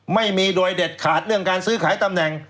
ไม่มีโดยเด็ดขาดเรื่องการซื้อขายตำแหน่ง